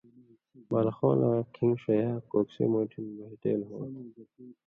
بالخؤں لا کِھن٘گ ݜیا کوکسی مُوٹھیُوں بھېٹېل ہوتھہ۔